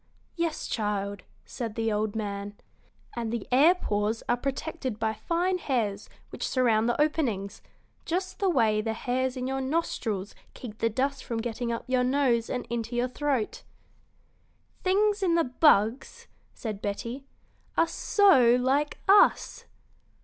"Yes, child," said the old man, "and the air pores are protected by fine hairs which surround the openings, just the way the hairs in your nostrils keep the dust from getting up your nose and into your throat." "Things in the bugs," said Betty, "are so like us."